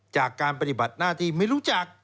จากการปฏิบัติหน้าที่ไม่รู้จัก